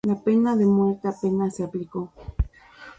La pena de muerte apenas se aplicó.